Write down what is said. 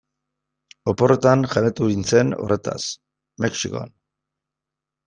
Oporretan jabetu nintzen horretaz, Mexikon.